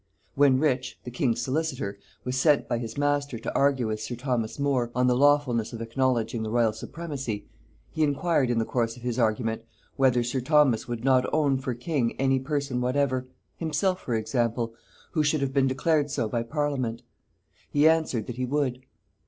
When Rich, the king's solicitor, was sent by his master to argue with sir Thomas More on the lawfulness of acknowledging the royal supremacy; he inquired in the course of his argument, whether sir Thomas would not own for king any person whatever, himself for example, who should have been declared so by parliament? He answered, that he would.